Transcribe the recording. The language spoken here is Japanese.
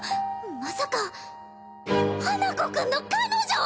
まさか花子くんの彼女！？